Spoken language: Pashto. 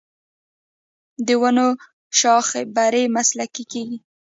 د ونو شاخه بري مسلکي کیږي.